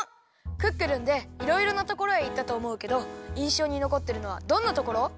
「クックルン」でいろいろなところへいったとおもうけどいんしょうにのこってるのはどんなところ？